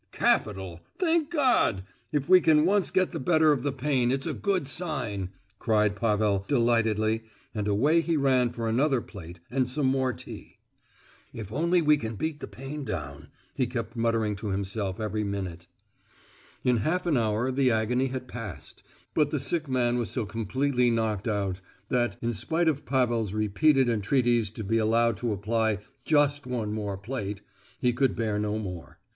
"Capital! thank God! if we can once get the better of the pain it's a good sign!" cried Pavel, delightedly, and away he ran for another plate and some more tea. "If only we can beat the pain down!" he kept muttering to himself every minute. In half an hour the agony was passed, but the sick man was so completely knocked up that, in spite of Pavel's repeated entreaties to be allowed to apply "just one more plate," he could bear no more.